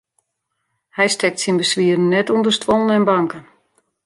Hy stekt syn beswieren net ûnder stuollen en banken.